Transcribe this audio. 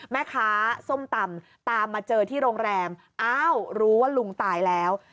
แม่ค้าส้มตำตามมาเจอที่โรงแรมอ้าวรู้ว่าลุงตายแล้ว